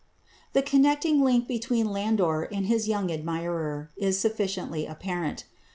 The connecting link between Landor and his young admirer is sufficiently apparent.